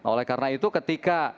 oleh karena itu ketika